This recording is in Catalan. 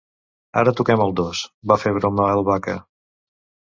Ara toquem el dos! —va fer broma el Vaca.